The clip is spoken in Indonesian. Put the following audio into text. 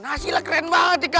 nasi lah keren banget ya kal